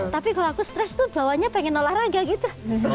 tapi kalau aku stress tuh bawaannya pengen olahraga gitu